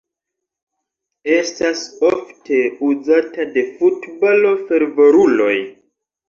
Estas ofte uzata de futbalo-fervoruloj.